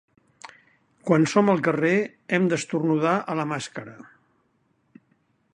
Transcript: Quan som al carrer, hem d’esternudar a la màscara.